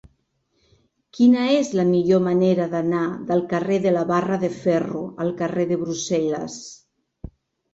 Quina és la millor manera d'anar del carrer de la Barra de Ferro al carrer de Brussel·les?